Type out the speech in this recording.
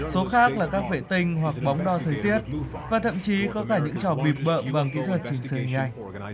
số khác là các vệ tinh hoặc bóng đo thời tiết và thậm chí có cả những trò bịp bợm bằng kỹ thuật chỉnh sửa nhanh